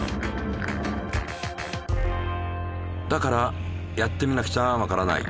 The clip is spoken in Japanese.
だからやってみなくちゃわからない。